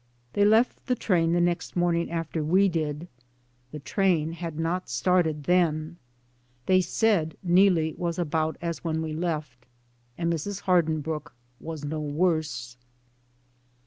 They left the train the next morning after we did. The train had not started then. They said Neelie 2i6 DAYS ON THE ROAD. was about as when we left, and Mrs. Har dinbrooke was no worse.